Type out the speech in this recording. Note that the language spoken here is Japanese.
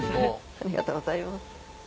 ありがとうございます。